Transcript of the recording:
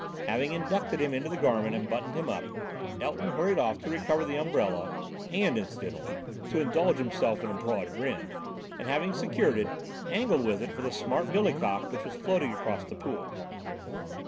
Having inducted him into the garment and buttoned him up, Elton hurried off to recover the umbrella (and, incidentally, to indulge himself in a broad grin), and, having secured it, angled with it for the smart billycock which was floating across the pool.